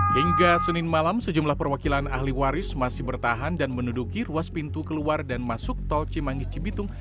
hingga senin malam sejumlah perwakilan ahli waris masih bertahan dan menuduki ruas pintu keluar dan masuk tol cimangi cibitung